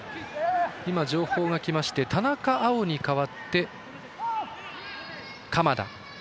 情報がきまして田中碧に代わって鎌田。